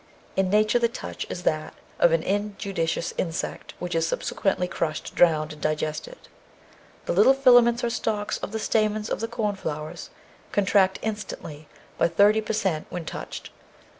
In nature the touch is that of an injudicious insect which is subsequently crushed, drowned, and digested. The little filaments or stalks of the stamens of the cornflowers contract instantly by 30 per cent, when touched.